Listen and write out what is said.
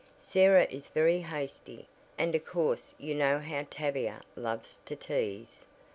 "Sarah is very hasty, and of course you know how Tavia loves to tease."